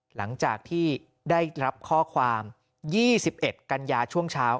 หลังจากที่ได้รับข้อความ๒๑กันยาช่วงเช้า